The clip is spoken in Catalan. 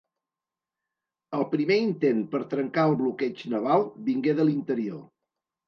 El primer intent per trencar el bloqueig naval vingué de l'interior.